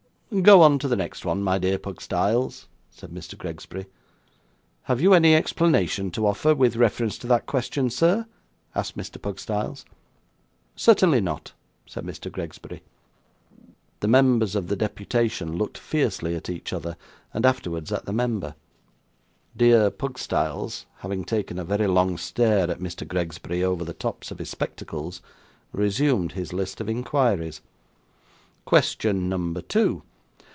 'Go on to the next one, my dear Pugstyles,' said Mr. Gregsbury. 'Have you any explanation to offer with reference to that question, sir?' asked Mr. Pugstyles. 'Certainly not,' said Mr. Gregsbury. The members of the deputation looked fiercely at each other, and afterwards at the member. 'Dear Pugstyles' having taken a very long stare at Mr. Gregsbury over the tops of his spectacles, resumed his list of inquiries. 'Question number two.